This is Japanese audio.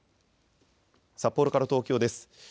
札幌から東京です。